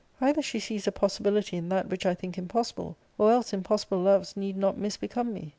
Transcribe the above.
Either she sees a possibility in that which I think impossible, or else impossible loves need not misbecome me.